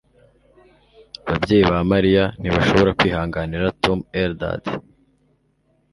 Ababyeyi ba Mariya ntibashobora kwihanganira Tom Eldad